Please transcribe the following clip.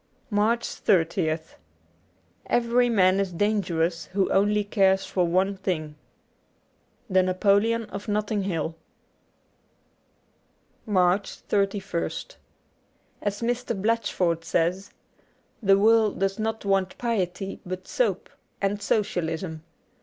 95 MARCH 30th EVERY man is dangerous who only cares for one thing. ' The Napoleon of NoUing Hill. ' 96 MARCH 31st AS Mr. Blatchford says, < The world does not /\ want piety, but soap— and Socialism.'